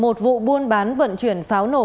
một vụ buôn bán vận chuyển pháo nổ